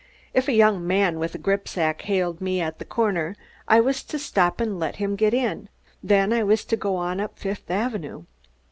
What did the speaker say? If a young man with a gripsack hailed me at the corner I was to stop and let him get in; then I was to go on up Fifth Avenue.